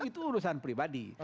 itu urusan pribadi